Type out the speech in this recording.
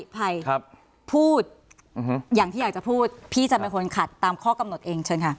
ภัยพูดอย่างที่อยากจะพูดพี่จะเป็นคนขัดตามข้อกำหนดเองเชิญค่ะ